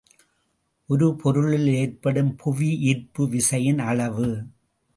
ஒரு பொருளில் ஏற்படும் புவிஈர்ப்பு விசையின் அளவு.